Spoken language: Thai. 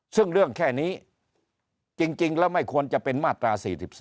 ซึ่งเรื่องแค่นี้จริงแล้วไม่ควรจะเป็นมาตรา๔๔